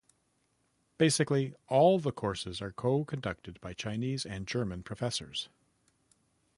Basically all the courses are co-conducted by Chinese and German Professors.